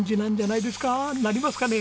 鳴りますかね？